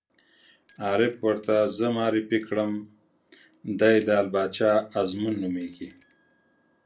عارف ور ته زه معرفي کړم: دی لعل باچا ازمون نومېږي.